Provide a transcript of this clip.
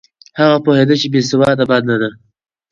هغه پوهېده چې بې سوادي بده ده.